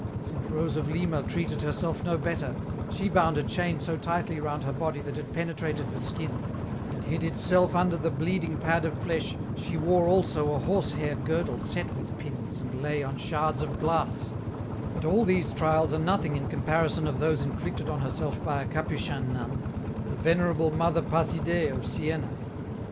Saint Rose of Lima treated herself no better, she bound a chain so tightly round her body that it penetrated the skin, and hid itself under the bleeding pad of flesh, she wore also a horse hair girdle set with pins, and lay on shards of glass ; but all these trials are nothing in comparison of those inflicted on herself by a Capuchin nun, the venerable Mother Paside'e of Siena.